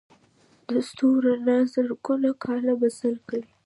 د ستورو رڼا زرګونه کاله مزل کوي.